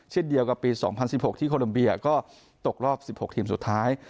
เช่นเดียวกับปี๒๐๑๖ที่โคลมเบียก็ตกรอบ๑๖ทีมสุดท้าย